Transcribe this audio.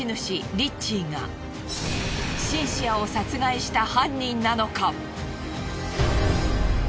リッチーがシンシアを殺害した犯人なのか？